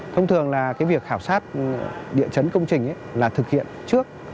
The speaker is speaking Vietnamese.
thông thường là cái việc khảo sát địa chấn công trình là thực hiện trước